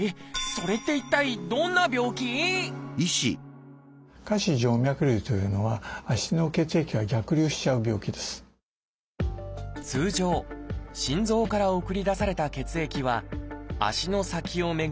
それって一体通常心臓から送り出された血液は足の先を巡り